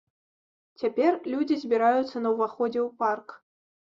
Цяпер людзі збіраюцца на ўваходзе ў парк.